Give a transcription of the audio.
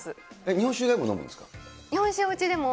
日本酒以外も飲むんですか？